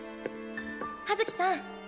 葉月さん